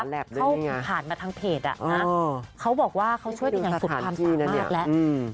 เข้าผ่านมาทางเพจอ่ะเขาบอกว่าเขาช่วยได้อย่างสุดมากแล้ว